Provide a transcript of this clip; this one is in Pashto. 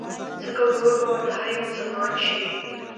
سکه ورور به ورته هر يو مسلمان شي